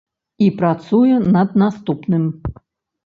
І працуе над наступным.